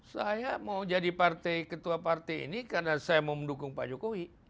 saya mau jadi partai ketua partai ini karena saya mau mendukung pak jokowi